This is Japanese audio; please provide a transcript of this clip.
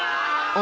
お！